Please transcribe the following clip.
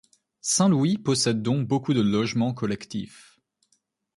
Saint-Louis possède donc beaucoup de logements collectifs.